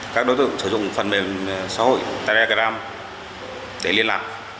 các đối tượng sử dụng phần mềm xã hội telegram để liên lạc